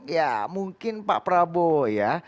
ya mungkin pak prabowo ya